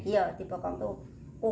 iya di bokong itu